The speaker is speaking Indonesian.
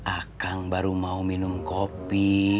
akang baru mau minum kopi